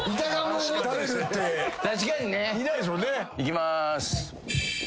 いきまーす。